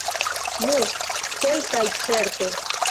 Nu, kelkaj certe.